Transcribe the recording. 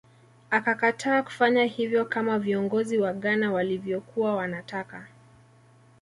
Akakataa kufanya hivyo kama viongozi wa Ghana walivyokuwa wanataka